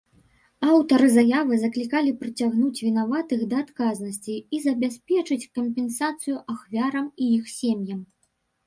Аўтары заявы заклікалі прыцягнуць вінаватых да адказнасці і забяспечыць кампенсацыю ахвярам і іх сем'ям.